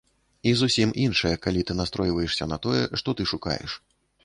І зусім іншая, калі ты настройваешся на тое, што ты шукаеш.